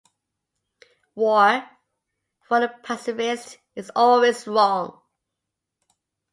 War, for the pacifist, is always wrong.